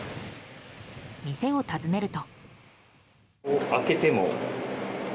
店を訪ねると。